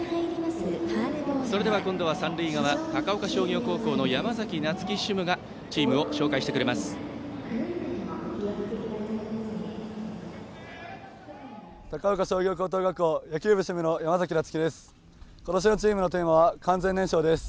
それでは今度は三塁側高岡商業高校の山崎那月主務がチームを紹介してくれます。